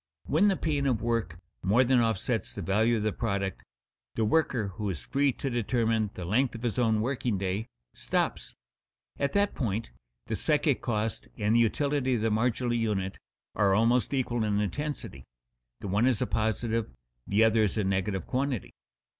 When the pain of work more than offsets the value of the product, the worker who is free to determine the length of his own working day, stops. At that point the psychic cost and the utility of the marginal unit are almost equal in intensity the one as a positive, the other as a negative quantity.